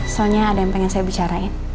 soalnya ada yang pengen saya bicarain